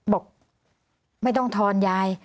บอกไม่ต้องทอนยาย